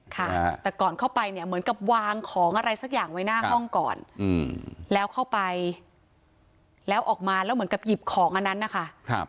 ค่ะแต่ก่อนเข้าไปเนี่ยเหมือนกับวางของอะไรสักอย่างไว้หน้าห้องก่อนแล้วเข้าไปแล้วออกมาแล้วเหมือนกับหยิบของอันนั้นนะคะ